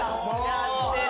やってる。